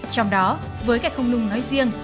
trong đó với gạch không nung nói riêng